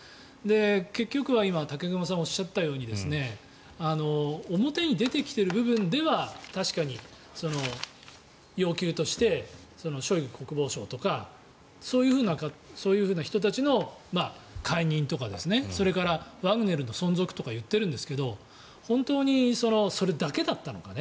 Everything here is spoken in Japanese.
結局は今武隈さんがおっしゃったように表に出てきている部分では確かに要求としてショイグ国防相とかそういうふうな人たちの解任とかそれからワグネルの存続とか言っているんですが本当にそれだけだったのか。